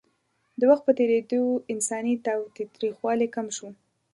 د وخت په تېرېدو انساني تاوتریخوالی کم شو.